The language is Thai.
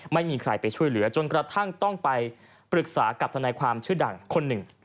ไม่มีใครไปช่วยเหลือจนกระทั่งต้องไปปรึกษากับทนายความชื่อดังคนหนึ่ง